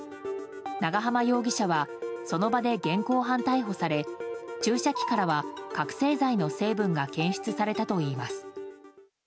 長浜容疑者はその場で現行犯逮捕され注射器からは覚醒剤の成分が検出されたといいます。